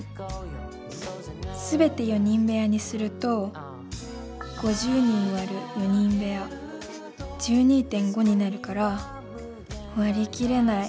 すべて４人部屋にすると５０人割る４人部屋１２．５になるから割り切れない。